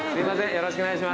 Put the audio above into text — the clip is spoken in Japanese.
よろしくお願いします。